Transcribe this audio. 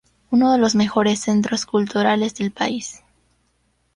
Uno de los mejores centros culturales del país".